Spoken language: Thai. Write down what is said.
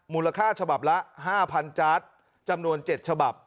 มูลค่าฉบับละ๕๐๐จาร์ดจำนวน๗ฉบับ